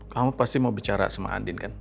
kamu pasti mau bicara sama andin kan